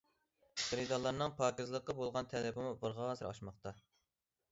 خېرىدارلارنىڭ پاكىزلىققا بولغان تەلىپىمۇ بارغانسېرى ئاشماقتا.